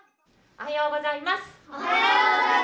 おはようございます。